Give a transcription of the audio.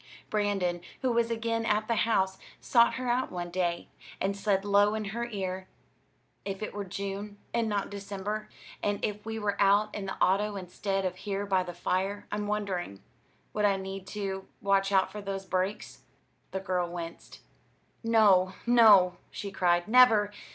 Brandon, who was again at the house, sought her out one day, and said low in her ear: "If it were June and not December, and if we were out in the auto instead of here by the fire, I'm wondering; would I need to watch out for those brakes?" The girl winced. "No, no," she cried; "never!